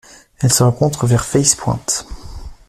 Elle se rencontre vers Face Point.